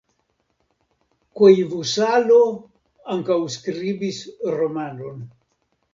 Koivusalo ankaŭ skribis romanon.